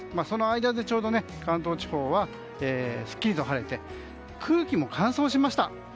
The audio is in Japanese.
その間でちょうど関東地方はすっきりと晴れて空気も乾燥しました。